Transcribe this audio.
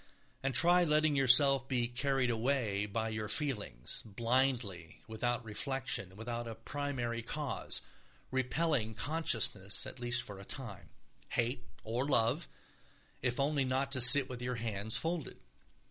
And try letting yourself be carried away by your feelings, blindly, without reflection, without a primary cause, repelling consciousness at least for a time; hate or love, if only not to sit with your hands folded.